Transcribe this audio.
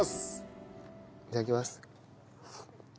いただきます。